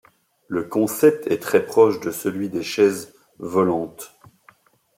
Le concept est très proche de celui des chaises volantes.